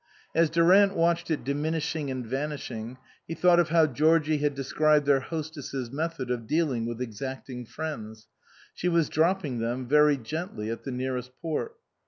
As Durant watched it diminishing and vanishing, he thought of how Georgie had described their hostess's method of dealing with exacting friends. She was dropping them, very gently, at the nearest port.